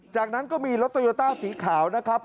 จากนั้นก็มีรถโตโยต้าสีขาวนะครับ